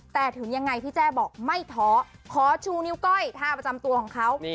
แต่ถึงยังไงพี่แจ้บอกไม่ท้อขอชูนิ้วก้อยท่าประจำตัวของเขา